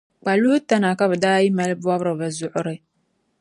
Kpaluhi tana ka bɛ daa yi mali bɔbira bɛ zuɣuri.